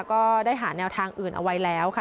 ก็ได้หาแนวทางอื่นเอาไว้แล้วค่ะ